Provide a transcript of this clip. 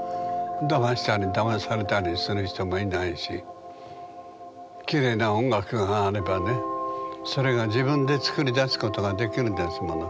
だましたりだまされたりする人もいないしきれいな音楽があればねそれが自分で作り出すことができるんですもの。